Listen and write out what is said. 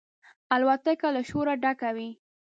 الوتکه له شوره ډکه وي.